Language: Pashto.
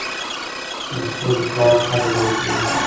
د خپل کار قدر وکړئ.